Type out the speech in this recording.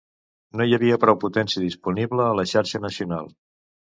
No hi havia prou potència disponible a la xarxa nacional.